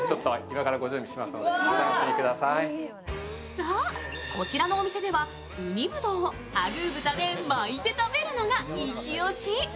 そう、こちらのお店では海ぶどうをアグー豚で巻いて食べるのがイチ押し。